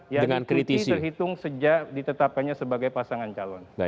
yang dikriti terhitung sejak ditetapkannya sebagai pasangan calon